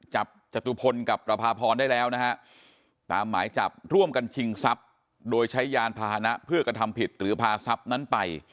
จับจตุพลกับประพาพรได้แล้วนะฮะ